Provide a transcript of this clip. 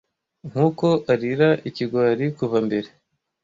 nkuko arira ikigwari kuva mbere